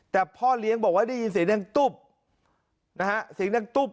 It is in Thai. แต่พ่อเลี้ยงบอกว่าได้ยินเสียงดังตุ๊บนะฮะเสียงดังตุ๊บ